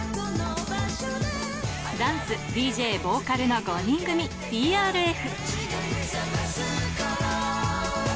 ダンス、ＤＪ、ボーカルの５人組、ＴＲＦ。